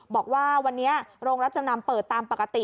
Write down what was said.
บอกว่าวันนี้โรงรับจำนำเปิดตามปกติ